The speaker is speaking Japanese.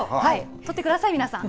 とってください、皆さん。